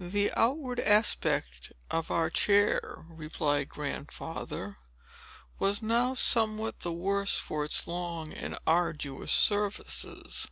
"The outward aspect of our chair," replied Grandfather, "was now somewhat the worse for its long and arduous services.